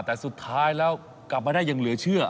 แต่สุดท้ายแล้วกลับมาได้อย่างเหลือเชื่อ